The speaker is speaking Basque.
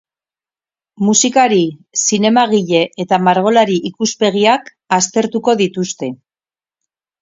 Musikari, zinemagile eta margolari ikuspegiak aztertuko dituzte.